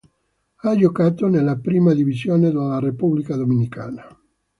Ha giocato nella Primera Divisione della Repubblica Dominicana.